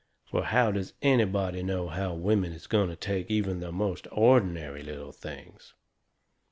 Fur how does anybody know how women is going to take even the most ordinary little things?